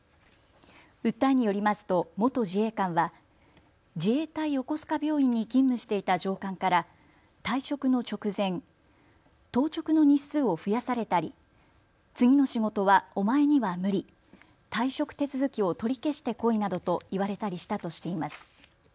訴えによりますと元自衛官は自衛隊横須賀病院に勤務していた上官から退職の直前、当直の日数を増やされたり、次の仕事はお前には無理、退職手続きを取り消してこいなどと言われたりしたとしています。